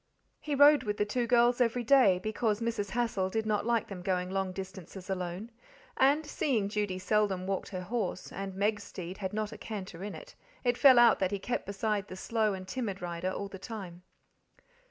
He rode with the two girls every day, because Mrs. Hassal did not like them going long distances alone; and, seeing Judy seldom walked her horse, and Meg's steed had not a canter in it, it fell out that he kept beside the slow and timid rider all the time.